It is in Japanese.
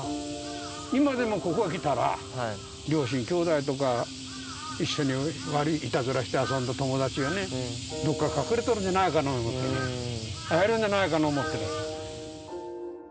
今でもここへ来たら、両親、きょうだいとか、一緒に悪い、いたずらとかして遊んだ友達がね、どっか隠れとるんじゃないか思ってね、隠れてるんじゃないかと思ってる。